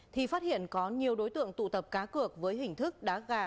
thì phát hiện có nhiều đối tượng tụ tập cá cược với hình thức đá gà